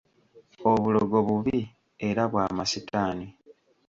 Obulogo bubi era bwa masitaani.